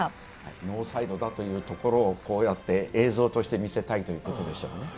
ノーサイドだというところをこうやって映像として見せたいということですね。